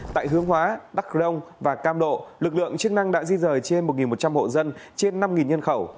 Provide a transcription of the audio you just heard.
tại hương hóa đắk rông và cam độ lực lượng chức năng đã di dời trên một một trăm linh hộ dân trên năm nhân khẩu